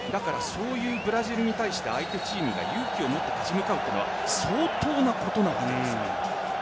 そういうブラジルに対して相手チームが勇気をもって立ち向かうのは相当なことです。